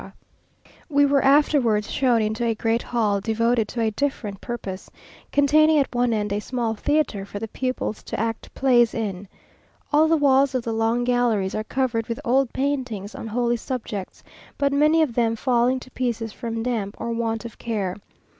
We were afterwards shown into a great hall devoted to a different purpose, containing at one end a small theatre for the pupils to act plays in. All the walls of the long galleries are covered with old paintings on holy subjects, but many of them falling to pieces from damp or want of care.